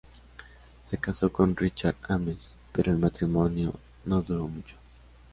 Se casó con Richard Ames, pero el matrimonio no duró mucho.